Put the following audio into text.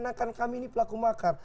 seakan akan kami ini pelaku makar